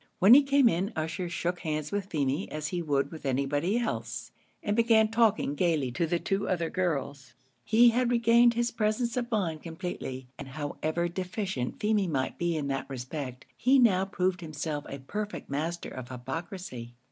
When he came in, Ussher shook hands with Feemy as he would with anybody else, and began talking gaily to the two other girls. He had regained his presence of mind completely, and however deficient Feemy might be in that respect, he now proved himself a perfect master of hypocrisy.